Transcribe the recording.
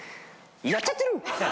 やっちゃってる！